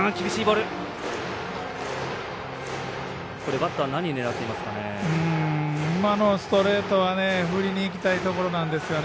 バッター何を狙われていますかね。